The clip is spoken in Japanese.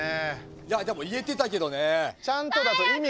いやでも言えてたけどね。